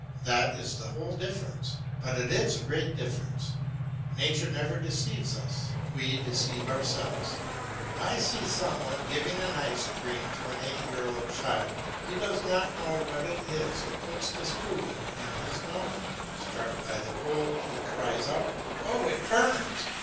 That is the whole difference; but it is a great difference. Nature never deceives us; we deceive ourselves. I see some one giving an ice cream to an eight year old child; he does not know what it is and puts the spoon in his mouth. Struck by the cold he cries out, "Oh, it burns!"